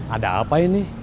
ada apa ini